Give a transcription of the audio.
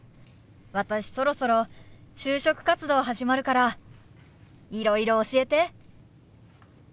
私そろそろ就職活動始まるからいろいろ教えて。